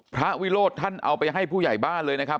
วิโรธท่านเอาไปให้ผู้ใหญ่บ้านเลยนะครับ